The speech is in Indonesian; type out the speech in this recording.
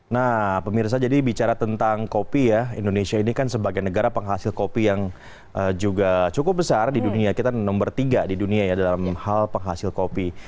nah pemirsa jadi bicara tentang kopi ya indonesia ini kan sebagai negara penghasil kopi yang juga cukup besar di dunia kita nomor tiga di dunia ya dalam hal penghasil kopi